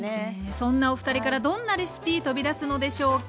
そんなおふたりからどんなレシピ飛び出すのでしょうか。